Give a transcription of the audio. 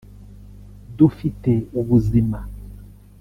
dufite ubuzima